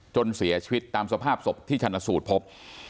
จนเสียชีวิตตามสภาพศพที่ชันสูตรพบ